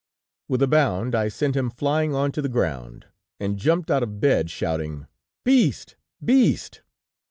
"With a bound I sent him flying on to the ground, and jumped out of bed, shouting: "'Beast! beast!'